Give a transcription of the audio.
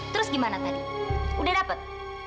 terus gimana tadi udah dapet